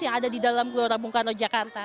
yang ada di dalam gelora bung karno jakarta